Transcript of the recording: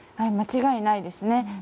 間違いないですね。